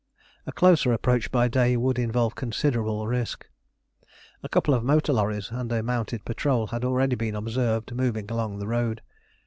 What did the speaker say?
A closer approach by day would involve considerable risk. A couple of motor lorries and a mounted patrol had already been observed moving along the road.